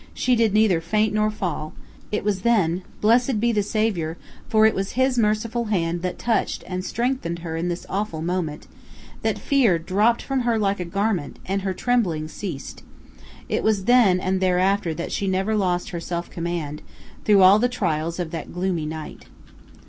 she did neither faint nor fall; it was then blessed be the Saviour, for it was his merciful hand that touched and strengthened her in this awful moment that fear dropped from her like a garment, and her trembling ceased. It was then and thereafter that she never lost her self command, through all the trials of that gloomy night.